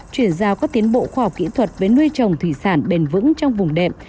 chuyển giao các tiến bộ khoa học kỹ thuật với nuôi trồng thủy sản bền vững trong vùng đệm